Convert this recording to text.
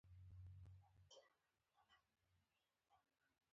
مچمچۍ انسان ته الهام ورکوي